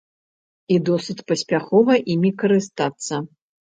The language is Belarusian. І досыць паспяхова імі карыстацца.